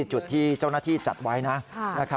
จุดที่เจ้าหน้าที่จัดไว้นะครับ